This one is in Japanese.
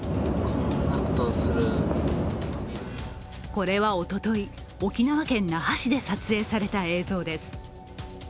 これはおととい、沖縄県那覇市で撮影された映像です。